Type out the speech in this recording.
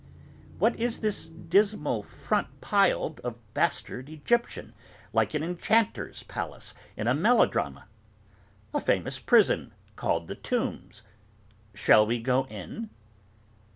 What is this dismal fronted pile of bastard Egyptian, like an enchanter's palace in a melodrama!—a famous prison, called The Tombs. Shall we go in?